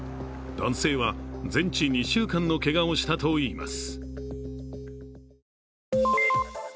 男性は全治２週間のけがをしたといいます。